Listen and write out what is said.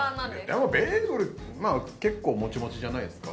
でもベーグルまあ結構モチモチじゃないですか？